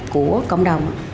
của cộng đồng